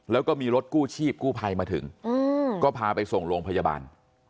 แล้วก็มีรถกู้ชีพกู้ภัยมาถึงก็พาไปส่งโรงพยาบาล